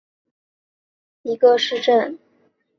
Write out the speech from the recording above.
埃林格是德国巴伐利亚州的一个市镇。